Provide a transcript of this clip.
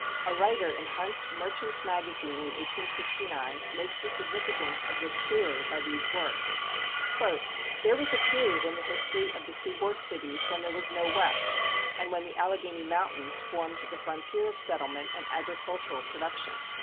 A writer in Hunt's Merchants' Magazine in 1869 makes the significance of this clearer by these words: There was a period in the history of the seaboard cities when there was no West; and when the Alleghany Mountains formed the frontier of settlement and agricultural production.